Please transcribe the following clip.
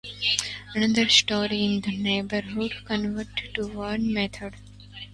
Another store in the neighborhood converted to Warren's methods.